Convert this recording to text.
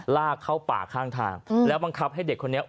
ลากเข้าป่าข้างทางแล้วบังคับให้เด็กคนนี้